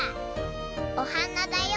おはなだよ。